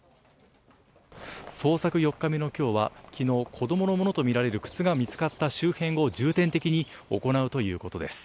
捜索４日目のきょうは、きのう、子どものものと見られる靴が見つかった周辺を重点的に行うということです。